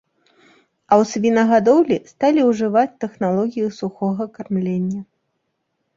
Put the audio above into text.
А ў свінагадоўлі сталі ўжываць тэхналогію сухога кармлення.